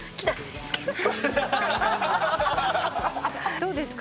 どうですか？